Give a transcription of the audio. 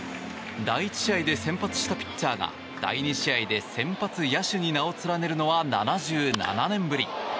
第１試合で先発したピッチャーが第２試合で先発野手に名を連ねるのは７７年ぶり。